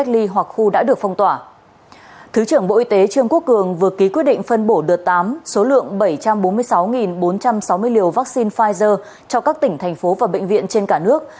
thứ trưởng bộ y tế trương quốc cường vừa ký quyết định phân bổ đợt tám số lượng bảy trăm bốn mươi sáu bốn trăm sáu mươi liều vaccine pfizer cho các tỉnh thành phố và bệnh viện trên cả nước